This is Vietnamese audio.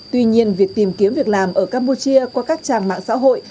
tuy nhiên việc tìm kiếm việc làm ở campuchia qua các trang mạng xã hội